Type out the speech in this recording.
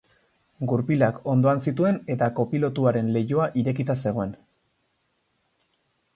Gurpilak hondoan zituen eta kopilotuaren leihoa irekita zegoen.